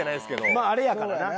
まああれやからな。